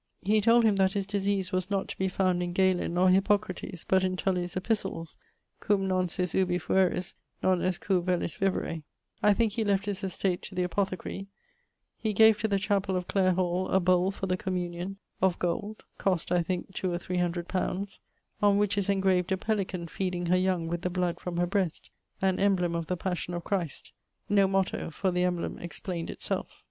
... he told him that his disease was not to be found in Galen or Hippocrates, but in Tullie's Epistles, Cum non sis ubi fueris, non est cur velis vivere. I thinke he left his estate to the apothecarie. He gave to the chapell of Clare hall, a bowle, for the communion, of gold (cost, I thinke, 2 or 300 li.), on which is engraved a pelican feeding her young with the bloud from her breast (an embleme of the passion of Christ), no motto, for the embleme explained it selfe.